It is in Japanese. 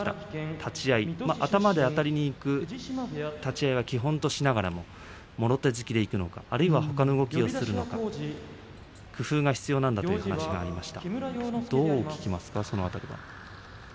立ち合い頭であたるという立ち合いを基本にしながらもろ手突きなのかほかの動きをするのか工夫が必要なんだという話をし親方はしていました。